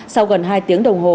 sau gần hai tiếng đồng hồ